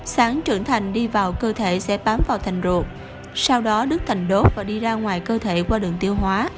sán trưởng thành đi vào cơ thể sẽ bám vào thành ruột sau đó đứt thành đốt và đi ra ngoài cơ thể qua đường tiêu hóa